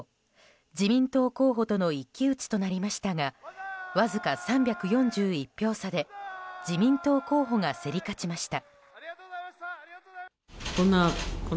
自民党候補との一騎打ちとなりましたがわずか３４１票差で自民党候補が競り勝ちました。